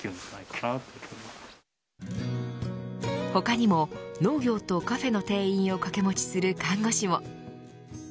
他にも、農業とカフェの店員をかけもちする看護師も。